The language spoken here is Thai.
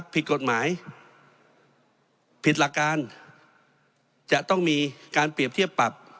ผิดกฎหมายผิดหลักการจะต้องมีการเปรียบเทียบปรับ